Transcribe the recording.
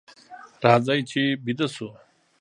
راځئ چې ویده شو.